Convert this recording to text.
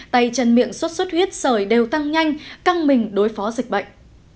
tay chân miệng suốt suốt huyết sởi đều tăng nhanh căng mình đối phó dịch bệnh